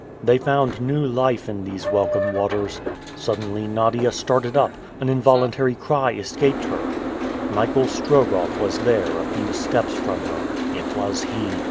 They found new life in these welcome waters. Suddenly Nadia started up; an involuntary cry escaped her. Michael Strogoff was there, a few steps from her. It was he.